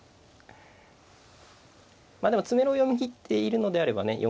まあでも詰めろを読み切っているのであればね